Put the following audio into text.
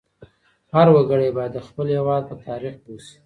هر وګړی باید د خپل هېواد په تاریخ پوه سي.